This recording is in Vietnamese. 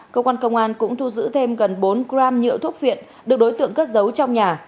công an công an cũng thu giữ thêm gần bốn gram nhựa thuốc viện được đối tượng cất giấu trong nhà